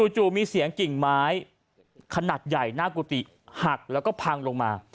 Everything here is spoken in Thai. จู่มีเสียงกิ่งไม้ขนาดใหญ่หน้ากุฏิหักแล้วก็พังลงมา